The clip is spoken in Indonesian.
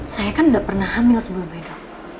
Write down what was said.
saya kan udah pernah hamil sebelum badak